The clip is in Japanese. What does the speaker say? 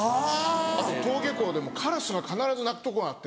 あと登下校でもカラスが必ず鳴くとこがあって。